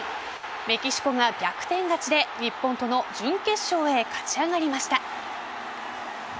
メキシコが逆転勝ちで日本との準決勝へ勝ち上がりました。